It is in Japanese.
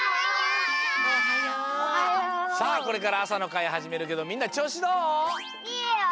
さあこれからあさのかいはじめるけどみんなちょうしどう？